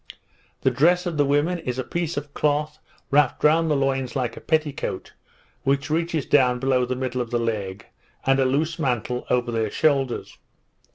The dress of the women is a piece of cloth wrapped round the loins like a petticoat, which reaches down below the middle of the leg, and a loose mantle over their shoulders.